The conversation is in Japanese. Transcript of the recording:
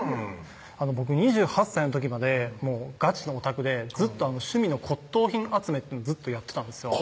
僕２８歳の時までガチのオタクでずっと趣味の骨董品集めをずっとやってたんですよ